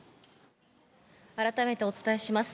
改めてお伝えします。